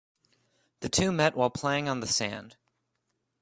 The two met while playing on the sand.